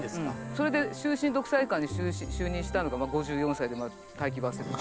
それで終身独裁官に就任したのが５４歳で大器晩成って。